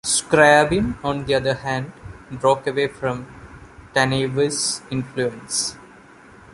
Scriabin, on the other hand, broke away from Taneyev's influence.